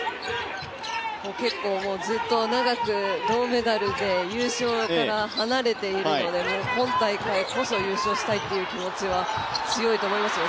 ずっと長く銅メダルで優勝から離れているので、今大会こそ優勝したいという気持ちは強いと思いますよ。